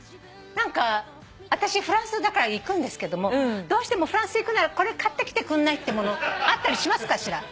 私フランス行くんですけどもどうしてもフランス行くならこれ買ってきてくんないってものあったりしますかしら？